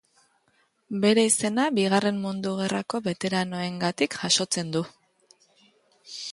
Bere izena bigarren mundu gerrako beteranoengatik jasotzen du.